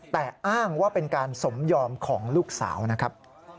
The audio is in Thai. แต่อ้างว่าเป็นการสมยอมของลูกสาวนะครับ